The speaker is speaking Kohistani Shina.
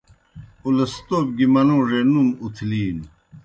اُلستوب گیْ منُوڙے نُوم اُتھلِینوْ۔